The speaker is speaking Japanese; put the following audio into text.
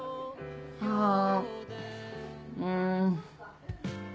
あぁうん。